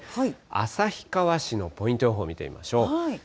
旭川市のポイント予報、見てみましょう。